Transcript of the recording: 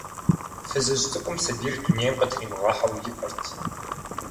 Фызыжь цӀыкӀум сабийр дунейм къытримыгъэхьэу ипӀырт.